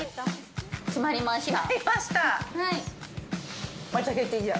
決まりました。